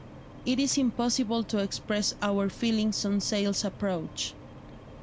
It is impossible to express our feelings on Sale's approach.